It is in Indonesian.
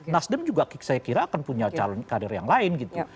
nasdem juga saya kira akan punya calon kader yang lain gitu